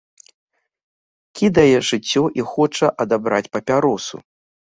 Кідае шыццё і хоча адабраць папяросу.